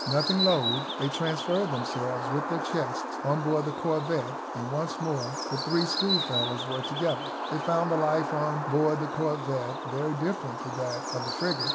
Nothing loath, they transferred themselves, with their chests, on board the corvette, and once more the three schoolfellows were together. They found the life on board the corvette very different to that of the frigate.